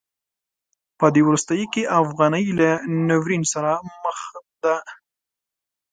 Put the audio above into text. په دې وروستیو کې افغانۍ له ناورین سره مخ ده.